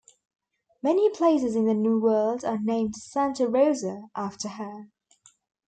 Many places in the New World are named Santa Rosa after her.